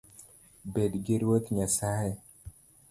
Bedgi Ruoth Nyasaye